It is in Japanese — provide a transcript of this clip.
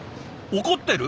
怒ってる？